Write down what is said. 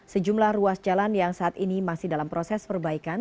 sejumlah ruas jalan yang saat ini masih dalam proses perbaikan